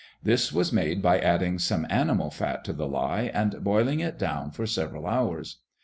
This was made by adding some animal fat to the lye and boiling it down for several hours.